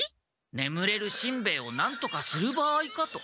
ねむれるしんべヱをなんとかする場合かと。